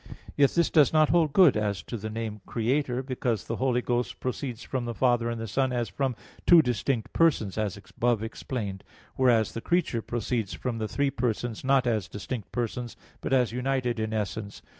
Yet this does not hold good as to the name "Creator"; because the Holy Ghost proceeds from the Father and the Son as from two distinct persons, as above explained; whereas the creature proceeds from the three persons not as distinct persons, but as united in essence.